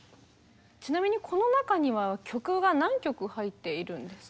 ちなみにこの中には曲が何曲入っているんですか？